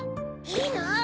いいの？